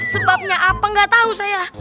sebabnya apa nggak tahu saya